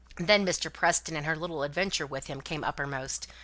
Then Mr. Preston and her little adventure with him came uppermost.